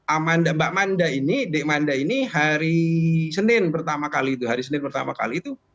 amanda mbak manda ini dek manda ini hari senin pertama kali itu hari senin pertama kali itu